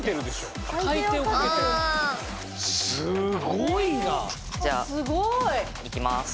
すごい！じゃあいきます。